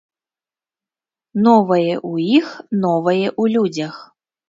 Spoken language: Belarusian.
Новае ў іх, новае ў людзях.